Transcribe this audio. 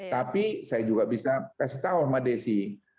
tapi saya juga bisa kasih tahu pak desy